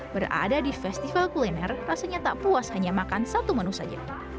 berada di festival kuliner rasanya tak puas hanya makan satu menu saja